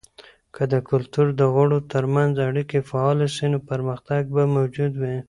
که د کلتور د غړو ترمنځ اړیکې فعاله سي، نو پرمختګ به موجود وي.